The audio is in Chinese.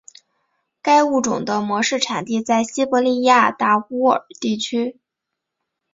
该物种的模式产地在西伯利亚达乌尔地区。